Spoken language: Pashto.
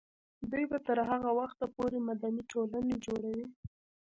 دوی به تر هغه وخته پورې مدني ټولنه جوړوي.